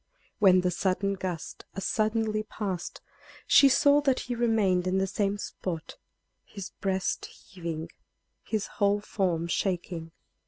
When the sudden gust as suddenly passed, she saw that he remained in the same spot, his breast heaving, his whole form shaking.